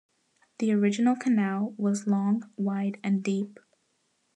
The original canal was long, wide, and deep.